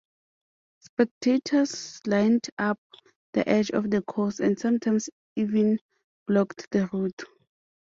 Spectators lined up the edge of the course and sometimes even blocked the road.